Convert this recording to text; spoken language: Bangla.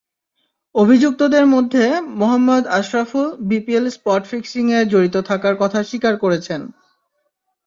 অভিযুক্তদের মধ্যে মোহাম্মদ আশরাফুল বিপিএল স্পট ফিক্সিংয়ে জড়িত থাকার কথা স্বীকার করেছেন।